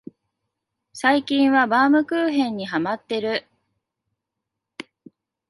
最近はバウムクーヘンにハマってる